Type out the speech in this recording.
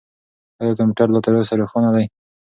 آیا کمپیوټر لا تر اوسه روښانه دی؟